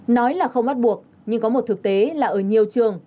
nói là không bắt buộc nhưng có một thực tế là ở nhiều trường